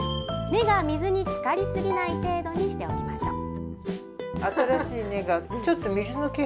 根が水につかり過ぎない程度にしておきましょう。